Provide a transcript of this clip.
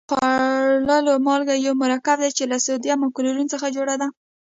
د خوړلو مالګه یو مرکب دی چې له سوډیم او کلورین څخه جوړه ده.